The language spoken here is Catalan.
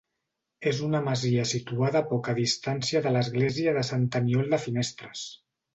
És una masia situada a poca distància de l'església de sant Aniol de Finestres.